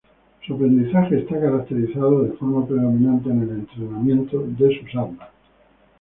Su aprendizaje está caracterizado de forma predominante en el entrenamiento de sus "armas".